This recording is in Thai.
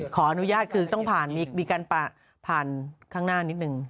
ขออนุญาตคือต้องผ่านมีการผ่านข้างหน้านิดนึง